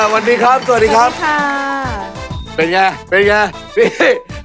วันนี้ครับสวัสดีครับค่ะเป็นอย่างไรเป็นอย่างไร